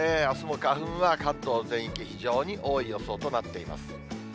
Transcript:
あすも花粉は関東全域、非常に多い予想となっています。